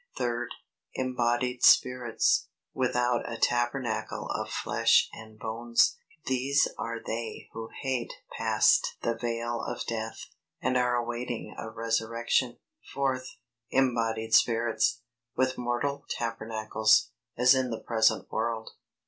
Third. Embodied Spirits, without a tabernacle of flesh and bones. These are they who hate passed the veil of death, and are awaiting a resurrection. Fourth. Embodied Spirits, with mortal tabernacles, as in the present world.